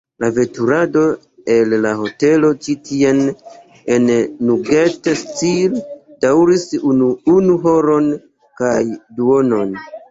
La veturado el la hotelo ĉi tien al "Nugget-tsil" daŭris unu horon kaj duonon.